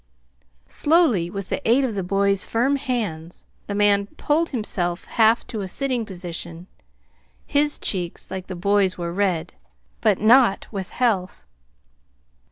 Slowly, with the aid of the boy's firm hands, the man pulled himself half to a sitting posture. His cheeks, like the boy's, were red but not with health.